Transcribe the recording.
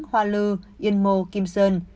hoa lư yên mô kim sơn